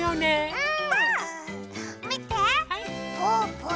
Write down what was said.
うん。